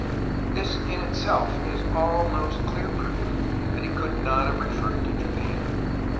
This in itself is almost clear proof that he could not have referred to Japan.